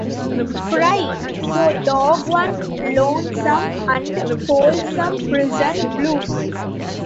Cry!," "So Doggone Lonesome," and "Folsom Prison Blues.